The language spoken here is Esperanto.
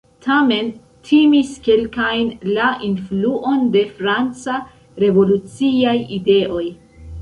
Tamen timis kelkajn la influon de franca revoluciaj ideoj.